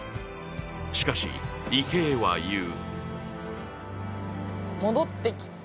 しかし、池江は言う。